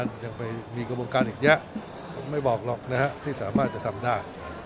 จะไปมีกระบวงการอีกแยะไม่บอกตรวจสอบห้าจะทำได้